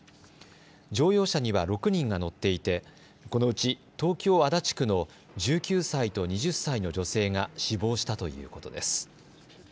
乗用車には６人が乗っていてこのうち東京足立区の１９歳と２０歳の女性が死亡したということです。